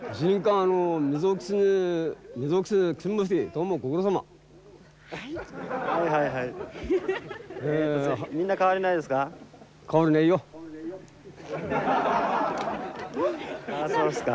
あそうですか。